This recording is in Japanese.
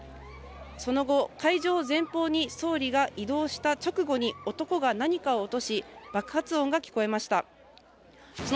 その後、会場前方に総理が移動した直後に男が何かを落とし、爆発音が聞こえました。